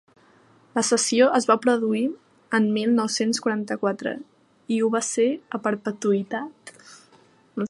La cessió es va produir en mil nou-cents quaranta-quatre, i ho va ser a perpetuïtat.